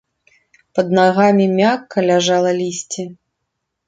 Пад нагамі мякка ляжала лісце.